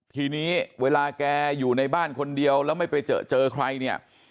ทีนี้เวลาแกอยู่ในบ้านคนเดียวแล้วไม่ไปเจอเจอใครเนี่ย